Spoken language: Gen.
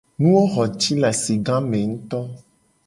Enuwo xo ci le asigame ngto.